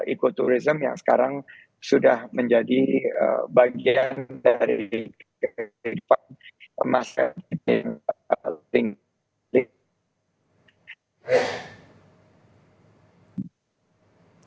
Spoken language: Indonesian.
ekoturism yang sekarang sudah menjadi bagian dari kehidupan emas yang tinggi